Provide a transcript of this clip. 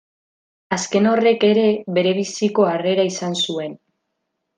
Azken horrek ere berebiziko harrera izan zuen.